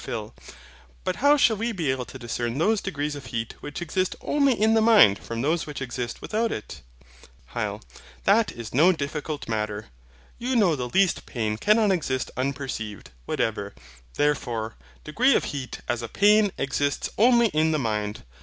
PHIL. But how shall we be able to discern those degrees of heat which exist only in the mind from those which exist without it? HYL. That is no difficult matter. You know the least pain cannot exist unperceived; whatever, therefore, degree of heat is a pain exists only in the mind.